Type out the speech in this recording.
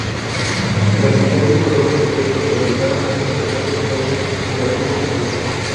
Persistentes dolores de pecho le obligaron a hacer frecuentes viajes curativos al sur.